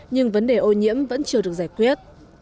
nhưng vấn đề ô nhiễm vẫn chưa được giải quyết